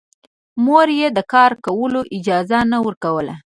مور يې د کار کولو اجازه نه ورکوله